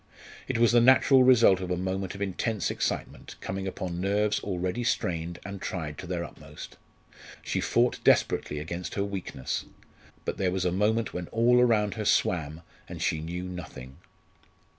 It was the natural result of a moment of intense excitement coming upon nerves already strained and tried to their utmost. She fought desperately against her weakness; but there was a moment when all around her swam, and she knew nothing.